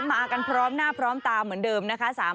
มากันพร้อมหน้าพร้อมตาเหมือนเดิมนะคะ